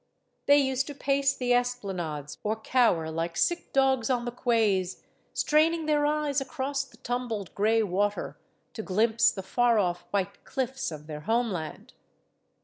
They used to pace the esplanades or cower like sick dogs on the quays, strain ing their eyes across the tumbled gray water, to glimpse the far off white cliffs of their homeland.